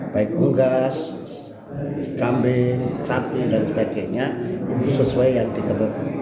baik bunggas kambing capi dan sebagainya itu sesuai yang diketentukan